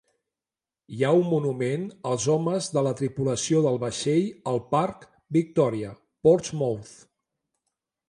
Hi ha un monument als homes de la tripulació del vaixell al parc Victoria, Portsmouth.